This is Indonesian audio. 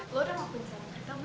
lo udah ngapain saran kita